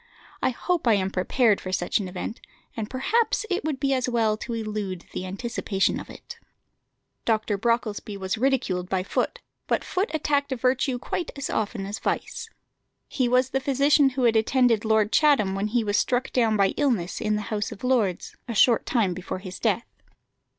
I hope I am prepared for such an event, and perhaps it would be as well to elude the anticipation of it." Dr. Brocklesby was ridiculed by Foote, but Foote attacked virtue quite as often as vice. He was the physician who had attended Lord Chatham when he was struck down by illness in the House of Lords, a short time before his death.